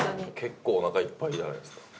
結構おなかいっぱいじゃないですか？